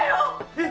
えっ？